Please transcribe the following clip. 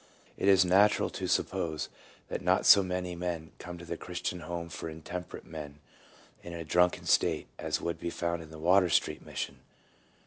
It is natural to suppose that not so many men come to the Christian Home for Intemperate Men in a drunken state as would be found in the Water Street Mission.